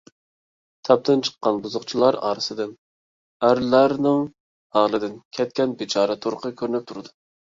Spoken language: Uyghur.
تاپتىن چىققان بۇزۇقچىلىقلار ئارىسىدىن ئەرلەرنىڭ ھالىدىن كەتكەن بىچارە تۇرقى كۆرۈنۈپ تۇرىدۇ.